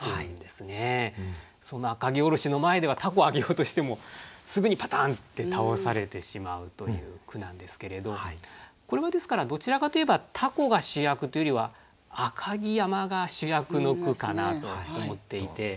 その赤城おろしの前では凧を揚げようとしてもすぐにパタンって倒されてしまうという句なんですけれどこれはですからどちらかといえば「凧」が主役というよりは「赤城山」が主役の句かなと思っていて。